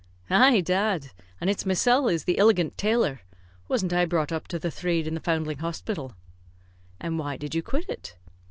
"Ay, dad! an it's mysel' is the illigant tailor. Wasn't I brought up to the thrade in the Foundling Hospital?" "And why did you quit it?"